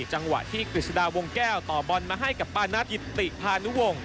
จังหวะที่กฤษฎาวงแก้วต่อบอลมาให้กับปานัทกิติพานุวงศ